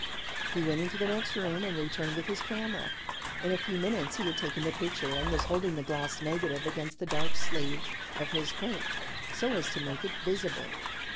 He went into the next room, and returned with his camera. In a few minutes he had taken the picture, and was holding the glass negative against the dark sleeve of his coat, so as to make it visible.